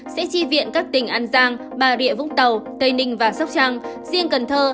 sẽ tri viện các tỉnh an giang bà rịa vũng tàu tây ninh và sóc trăng riêng cần thơ